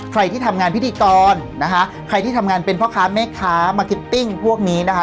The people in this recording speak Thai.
ใครที่ทำงานพิธีกรนะคะใครที่ทำงานเป็นพ่อค้าแม่ค้ามาร์คิตติ้งพวกนี้นะคะ